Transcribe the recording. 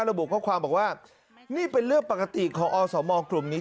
แล้วบุคความบอกว่านี่เป็นเรื่องปกติของอสสมครบูบนี้